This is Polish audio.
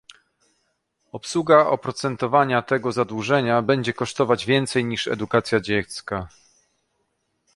Obsługa oprocentowania tego zadłużenia będzie kosztować więcej, niż edukacja dziecka